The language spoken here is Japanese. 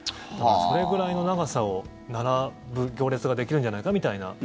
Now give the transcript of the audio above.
それぐらいの長さを並ぶ行列ができるんじゃないかみたいな。